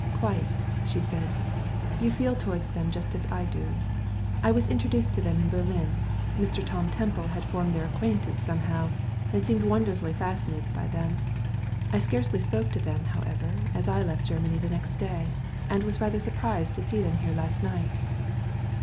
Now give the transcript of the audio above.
"Quite," she said. "You feel towards them just as I do. I was introduced to them in Berlin. Mr. Tom Temple had formed their acquaintance somehow, and seemed wonderfully fascinated by them. I scarcely spoke to them, however, as I left Germany the next day, and was rather surprised to see them here last night."